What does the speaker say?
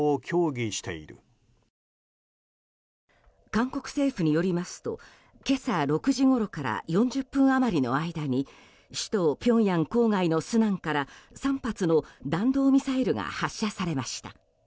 韓国政府によりますと今朝６時ごろから４０分余りの間に首都ピョンヤン近郊のスナンから３発の弾道ミサイルが発射されました。